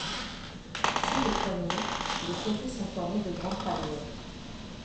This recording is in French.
Sous les poignées, les côtés sont ornés de grandes palmettes.